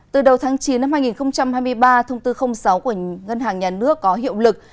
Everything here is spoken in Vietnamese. từ đầu tháng chín năm hai nghìn hai mươi ba thông tư sáu của ngân hàng nhà nước có hiệu lực